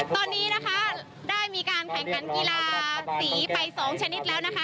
ตอนนี้นะคะได้มีการแข่งขันกีฬาสีไป๒ชนิดแล้วนะคะ